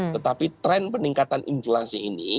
tetapi tren peningkatan inflasi ini